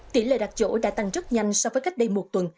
tỉ lệ đặc dỗ đã tăng rất nhanh so với cách đây một tuần